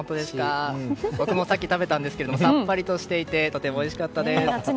僕もさっき食べたんですけどさっぱりとしていてとてもおいしかったです。